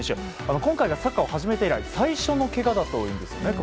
今回がサッカーを始めて以来最初のけがだというんです。